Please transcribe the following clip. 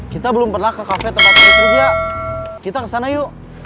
kita belum pernah ke kafe tempat roy kerja kita ke sana yuk